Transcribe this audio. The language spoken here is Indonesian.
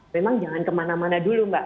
memang jangan kemana mana dulu mbak